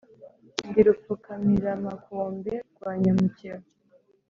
Ndi Rupfukamiramakombe rwa Nyamukeba